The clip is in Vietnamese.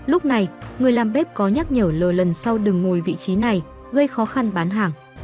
lúc này người làm bếp có nhắc nhở lờ lần sau đừng ngồi vị trí này gây khó khăn bán hàng